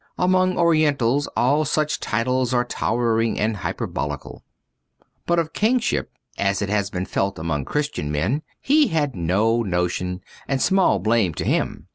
Among Orientals all such titles are towering and hyperbolical. But of kingship as it has been felt among Christian men he had no notion, and small blame to him.